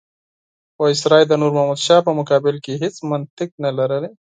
وایسرا د نور محمد شاه په مقابل کې هېڅ منطق نه درلود.